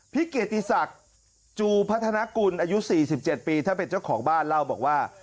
เกียรติศักดิ์จูพัฒนากุลอายุ๔๗ปีท่านเป็นเจ้าของบ้านเล่าบอกว่า